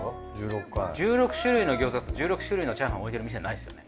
１６種類の餃子１６種類のチャーハン置いてる店ないですよね。